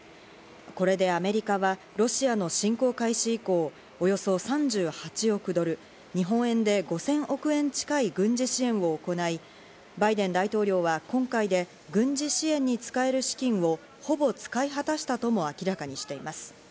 これでアメリカはロシアの侵攻開始以降、およそ３８億ドル、日本円で５０００億円近い軍事支援を行い、バイデン大統領は今回で軍事支援に使える資金をほぼ使い果たしたとも明らかにしています。